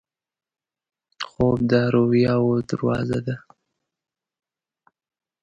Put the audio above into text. خوب د رویاوو دروازه ده